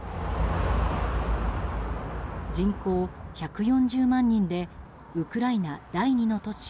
人口１４０万人でウクライナ第２の都市